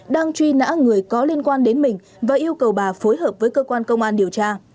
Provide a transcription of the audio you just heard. đang truy nã người có liên quan đến mình và yêu cầu bà phối hợp với cơ quan công an điều tra